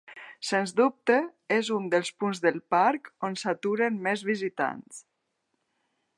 Sens dubte, és un dels punts del Parc on s'aturen més visitants.